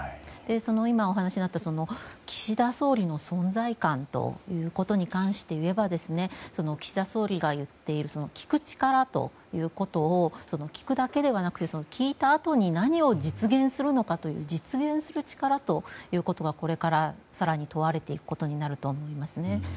今、お話にあった岸田総理の存在感に関して言えば岸田総理が言っている聞く力ということを聞くだけではなくて聞いたあとに何を実現するのかという実現する力ということがこれから、更に問われていくことになると思いますね。